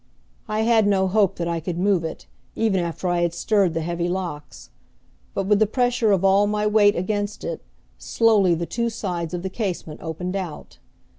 I had no hope that I could move it, even after I had stirred the heavy locks; but, with the pressure of all my weight against it, slowly the two sides of the casement opened out.